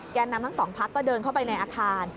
นำทั้งสองพักก็เดินเข้าไปในอาคาร